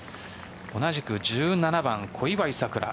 同じく１７番小祝さくら。